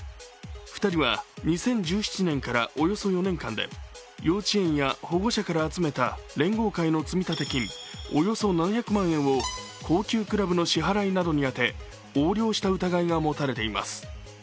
２人は２０１７年からおよそ４年間で、幼稚園や保護者から集めた連合会の積立金、およそ７００万円を高級クラブの支払いなどに充て横領した疑いが持たれています。